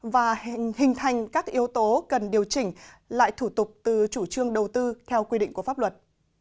và hình thành các yếu tố cần điều chỉnh lại thủ tục từ chủ trương đầu tư theo quy định của pháp luật